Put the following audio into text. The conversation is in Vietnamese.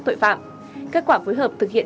tội phạm kết quả phối hợp thực hiện